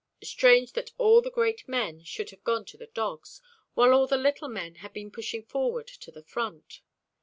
Strange that all the great men should have gone to the dogs, while all the little men had been pushing forward to the front.